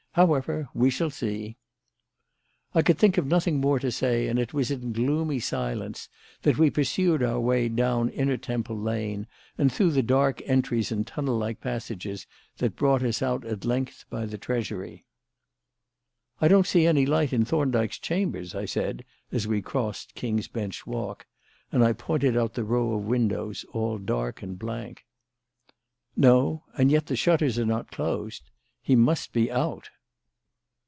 However, we shall see." I could think of nothing more to say, and it was in gloomy silence that we pursued our way down Inner Temple Lane and through the dark entries and tunnel like passages that brought us out, at length, by the Treasury. "I don't see any light in Thorndyke's chambers," I said, as we crossed King's Bench Walk; and I pointed out the row of windows all dark and blank. "No: and yet the shutters are not closed. He must be out."